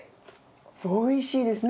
おいしいです。